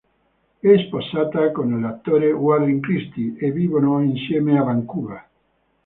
È sposata con l'attore Warren Christie e vivono insieme a Vancouver.